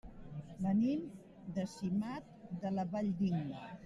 Venim de Simat de la Valldigna.